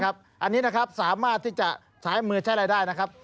อันนี้นะครับสามารถที่จะซ้ายมือใช้รายได้นะครับ